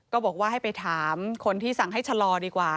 ก็บอกว่าให้ไปถามคนที่สั่งให้ชะลอดีกว่า